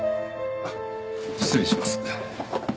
あっ失礼します。